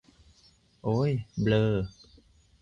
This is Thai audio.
โอ้ยเบลอ